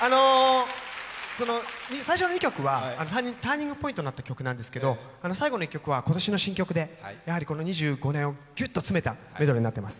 最初の２曲はターニングポイントになった曲なんですけど最後の１曲は今年の新曲で、この２５年をぎゅっと詰めたメドレーになっています。